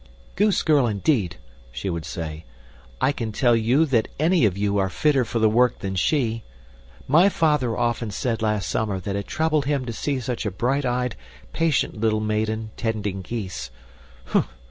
"Goose girl, indeed!" she would say. "I can tell you that any of you are fitter for the work than she. My father often said last summer that it troubled him to see such a bright eyed, patient little maiden tending geese.